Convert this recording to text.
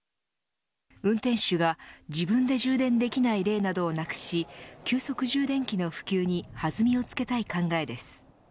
運転手が自分で充電できない例などをなくし急速充電器の普及に弾みをつけたい考えです。